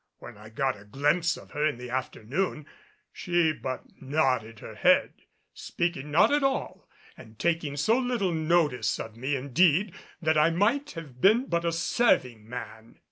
When I got a glimpse of her in the afternoon she but nodded her head, speaking not at all and taking so little notice of me, indeed, that I might have been but a serving man.